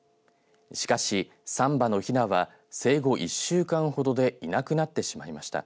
しかし３羽のひなは生後１週間ほどでいなくなってしまいました。